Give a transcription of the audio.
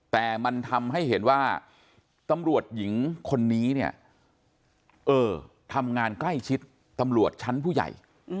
แต่มันทำให้เห็นว่าตำรวจหญิงคนนี้เนี่ยเออทำงานใกล้ชิดตำรวจชั้นผู้ใหญ่